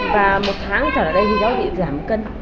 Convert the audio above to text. và một tháng trở lại đây thì cháu bị giảm cân